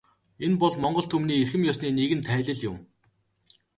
Энэ бол монгол түмний эрхэм ёсны нэгэн тайлал юм.